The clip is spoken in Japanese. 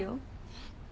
えっ？